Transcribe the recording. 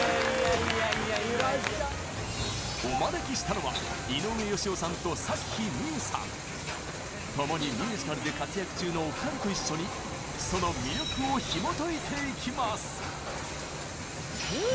お招きしたのはともにミュージカルで活躍中のお二人と一緒にその魅力をひもといていきます！